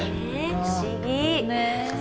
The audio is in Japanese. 不思議。